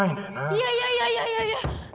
いやいやいやいやいやいや！